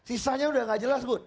sisanya udah gak jelas bu